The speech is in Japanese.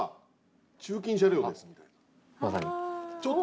まさに！